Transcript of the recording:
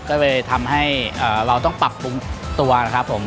ก็เลยทำให้เราต้องปรับปรุงตัวนะครับผม